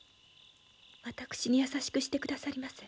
私に優しくしてくださりませ。